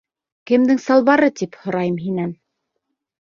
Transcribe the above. Кемдең салбары, тип һорайым һинән?!